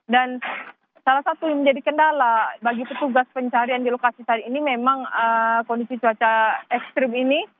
dan salah satu yang menjadi kendala bagi petugas pencarian di lokasi tadi ini memang kondisi cuaca ekstrim ini